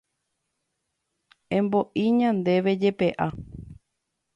Embo'i ñandéve jepe'a.